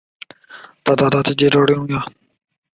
长蝠硬蜱为硬蜱科硬蜱属下的一个种。